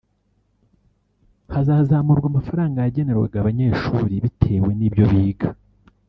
hazanazamurwa amafaranga yagenerwaga abanyeshuri bitewe n’ibyo biga